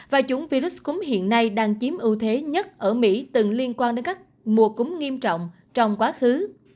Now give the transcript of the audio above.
và chủng virus cúm hiện nay đang chiếm ưu thế nhất ở mỹ từng liên quan đến các mùa cúm nghiêm trọng trong quá khứ